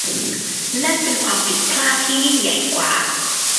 นั่นเป็นความผิดพลาดที่ยิ่งใหญ่กว่า